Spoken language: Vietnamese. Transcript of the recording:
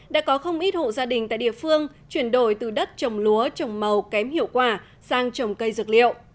đã có không ít hộ gia đình tại địa phương chuyển đổi từ đất trồng lúa trồng màu kém hiệu quả sang trồng cây dược liệu